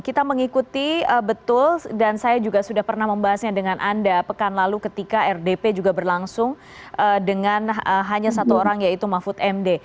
kita mengikuti betul dan saya juga sudah pernah membahasnya dengan anda pekan lalu ketika rdp juga berlangsung dengan hanya satu orang yaitu mahfud md